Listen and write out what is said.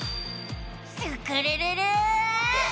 スクるるる！